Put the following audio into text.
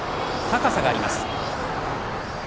高さがあります。